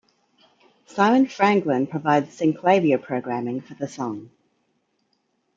Simon Franglen provided synclavier programming for the song.